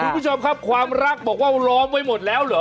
คุณผู้ชมครับความรักบอกว่าล้อมไว้หมดแล้วเหรอ